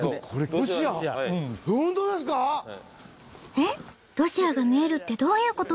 えっロシアが見えるってどういうこと？